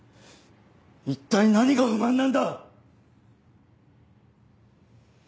一体何が不満なんだ！